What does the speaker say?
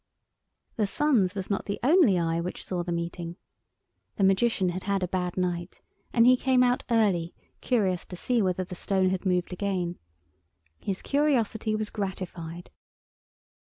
The sun's was not the only eye which saw that meeting. The Magician had had a bad night, and he came out early, curious to see whether the stone had moved again. His curiosity was gratified.